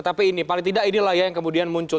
tapi ini paling tidak ini lah yang kemudian muncul